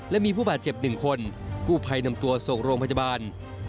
และมีผู้บาดเจ็บ๑คนกู้ภัยนำตัวส่งโรงพยาบาล